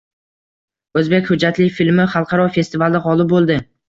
O‘zbek hujjatli filmi xalqaro festivalda g‘olib bo‘ldi